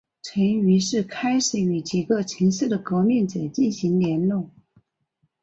陈于是开始与几个城市的革命者进行联络。